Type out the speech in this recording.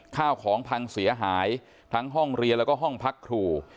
ข้าวของพังเสียหายทั้งห้องเรียนแล้วก็ห้องพักครู